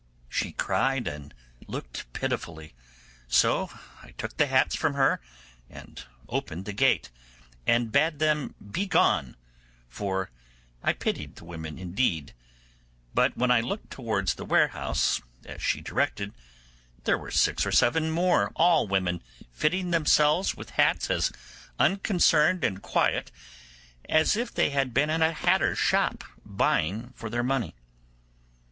She cried and looked pitifully, so I took the hats from her and opened the gate, and bade them be gone, for I pitied the women indeed; but when I looked towards the warehouse, as she directed, there were six or seven more, all women, fitting themselves with hats as unconcerned and quiet as if they had been at a hatter's shop buying for their money.